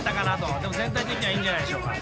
でも全体的にはいいんじゃないでしょうか。